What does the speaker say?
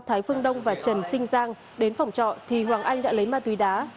thái phương đông và trần sinh giang đến phòng trọ thì hoàng anh đã lấy ma túy đá